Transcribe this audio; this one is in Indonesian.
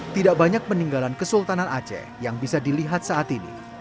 tidak banyak peninggalan kesultanan aceh yang bisa dilihat saat ini